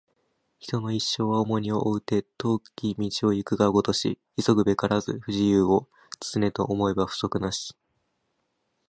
人の一生は重荷を負うて、遠き道を行くがごとし急ぐべからず不自由を、常と思えば不足なし